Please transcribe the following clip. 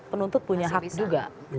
penuntut punya hak juga